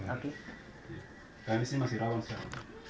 kami di sini masih rawang sekarang